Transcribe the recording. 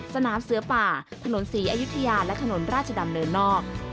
สนามเสือป่าถนนศรีอยุธยาและถนนราชดำเนินนอก